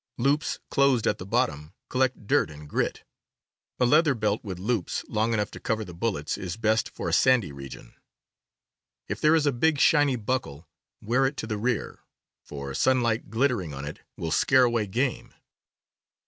Loops closed at the bottom collect dirt and grit. A leather belt with loops long enough to cover the bullets is best for a sandy region. If there is a big, shiny buckle, wear it to the rear; for sunlight glittering on it will scare away game.